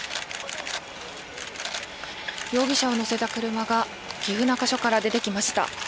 容疑者を乗せた車が岐阜中署から出てきました。